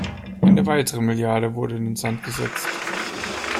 Eine weitere Milliarde wurde in den Sand gesetzt.